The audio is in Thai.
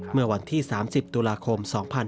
เมื่อวันที่๓๐ตุลาคม๒๕๖๒